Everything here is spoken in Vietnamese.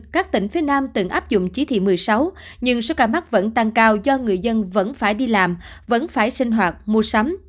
các tỉnh phía nam từng áp dụng chỉ thị một mươi sáu nhưng số ca mắc vẫn tăng cao do người dân vẫn phải đi làm vẫn phải sinh hoạt mua sắm